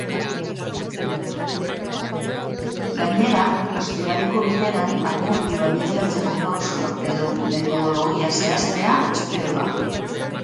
Gainera, ostiraleko bileran akordioa bideratzeko pausoak edo metodologia zehaztea espero da.